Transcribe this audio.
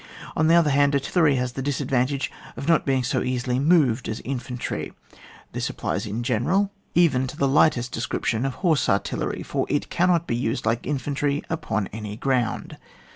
On the other hand, artillery has the disadvantage of not being so easily moved as infantry. This applies in general, even to the 104 <TN WAR. liglitest description of horse artillery^ fbr it cannot be used like infantry upon any ground.